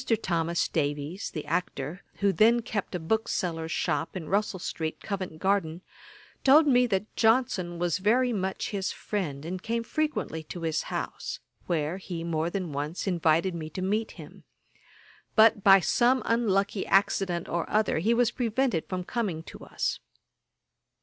Thomas Davies the actor, who then kept a bookseller's shop in Russel street, Covent garden, told me that Johnson was very much his friend, and came frequently to his house, where he more than once invited me to meet him; but by some unlucky accident or other he was prevented from coming to us.